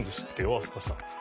飛鳥さん。